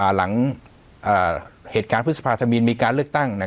หลังเหตุการณ์พฤษภาธมินมีการเลือกตั้ง